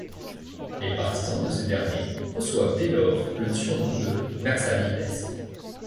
Les partisans de ce dernier reçoivent dès lors le surnom de naxalites.